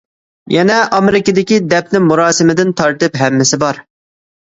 يەنە ئامېرىكىدىكى دەپنە مۇراسىمىدىن تارتىپ، ھەممىسى بار.